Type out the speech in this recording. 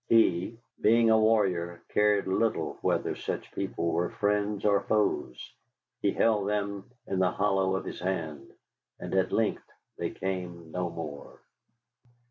He, being a warrior, cared little whether such people were friends or foes. He held them in the hollow of his hand. And at length they came no more.